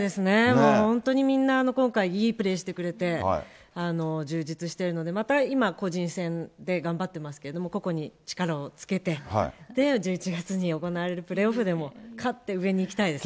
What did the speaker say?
もう本当にみんな、今回いいプレーしてくれて、充実してるので、また今、個人戦で頑張ってますけれども、個々に力をつけて、１１月に行われるプレーオフでも勝って上に行きたいですね。